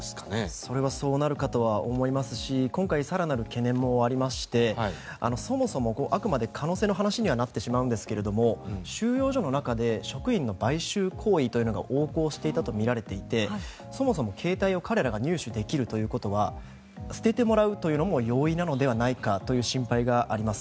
それはそうなるかとは思いますし今回、更なる懸念もありましてそもそもあくまで可能性の話にはなってしまうんですが収容所の中で職員の買収行為というのが横行していたとみられていてそもそも携帯を彼らが入手できるということは捨ててもらうというのも容易なのではないかという心配もあります。